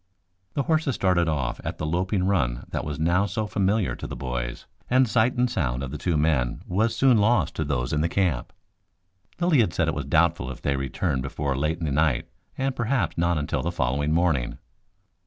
The horses started off at the loping run that was now so familiar to the boys, and sight and sound of the two men was soon lost to those in the camp. Lilly had said it was doubtful if they returned before late in the night, and perhaps not until the following morning.